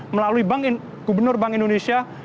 melalui gubernur bank indonesia